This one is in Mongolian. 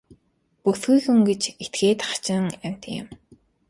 Бүсгүй хүн гэж этгээд хачин амьтан юм.